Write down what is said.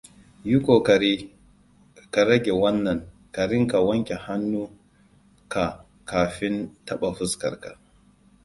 yi kokari ka rage wannan ka rinka wanke hannuk ka kafin taba fuskar ka.